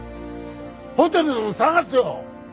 ホテルでも探すよ。